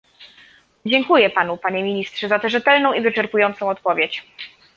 Dziękuję panu, panie ministrze, za tę rzetelną i wyczerpującą odpowiedź